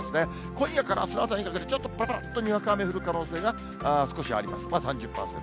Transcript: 今夜からあすの朝にかけて、ちょっとぱらぱらっとにわか雨降る可能性が少しありますが、３０％。